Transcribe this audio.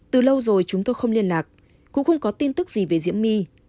từ lâu rồi chúng tôi không liên lạc cũng không có tin tức gì về diễm my